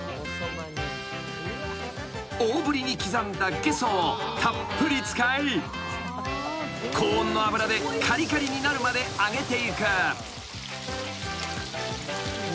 ［大ぶりに刻んだゲソをたっぷり使い高温の油でかりかりになるまで揚げていく］